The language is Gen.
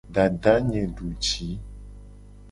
Dadanye duji.